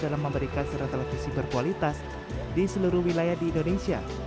dalam memberikan surat televisi berkualitas di seluruh wilayah di indonesia